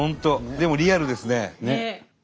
でもリアルですね。